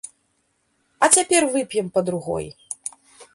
А цяпер вып'ем па другой!